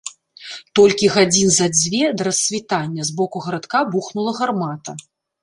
Толькі гадзін за дзве да рассвітання з боку гарадка бухнула гармата.